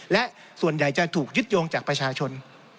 และส่วนใหญ่จะถูกยึดโยงจากประชาชน